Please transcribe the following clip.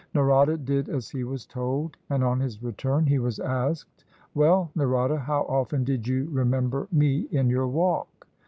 Narada did as he was told, and on his return he was asked, "Well, Narada, how often did you re member me in your walk?"